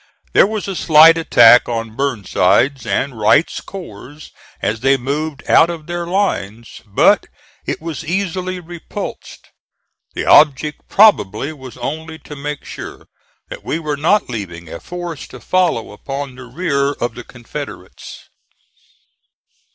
There was a slight attack on Burnside's and Wright's corps as they moved out of their lines; but it was easily repulsed. The object probably was only to make sure that we were not leaving a force to follow upon the rear of the Confederates.